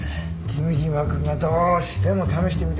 君嶋くんがどうしても試してみたいって言うから。